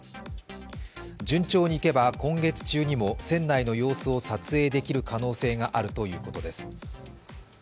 順調にいけば今月中にも船内の様子を撮影できる可能性があるということです。